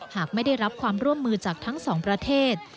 หากไม่ได้รับความร่วมมือจากทั้งสองประเทศ